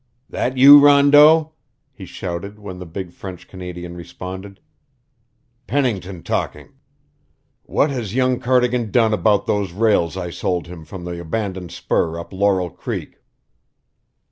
"That you, Rondeau?" he shouted when the big French Canadian responded. "Pennington talking. What has young Cardigan done about those rails I sold him from the abandoned spur up Laurel Creek?"